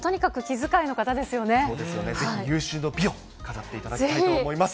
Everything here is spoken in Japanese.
ぜひ有終の美を飾っていただきたいと思います。